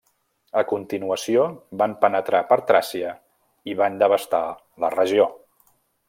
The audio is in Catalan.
A continuació van penetrar per Tràcia i van devastar la regió.